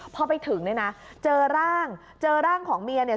พอไปถึงเนี่ยนะเจอร่างเจอร่างของเมียเนี่ย